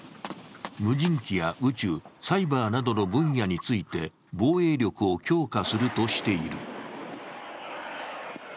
無人機や宇宙、サイバーなどの分野について防衛力を強化するとしている。